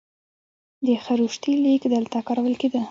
د خروشتي لیک دلته کارول کیده